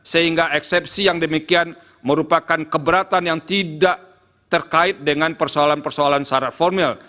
sehingga eksepsi yang demikian merupakan keberatan yang tidak terkait dengan persoalan persoalan syarat formil